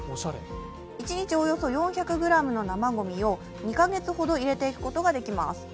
１日およそ４００ｇの生ごみを２カ月ほど入れていくことができます。